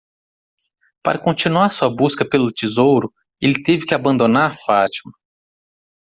Para continuar sua busca pelo tesouro, ele teve que abandonar Fátima.